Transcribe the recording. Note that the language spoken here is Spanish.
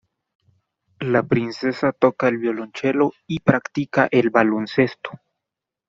La princesa toca el violonchelo y practica el baloncesto.